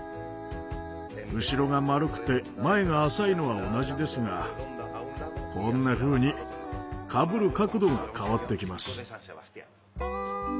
後ろが丸くて前が浅いのは同じですがこんなふうにかぶる角度が変わってきます。